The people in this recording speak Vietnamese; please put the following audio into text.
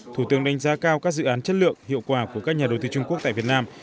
thủ tướng đánh giá cao các dự án chất lượng hiệu quả của các nhà đầu tư trung quốc tại việt nam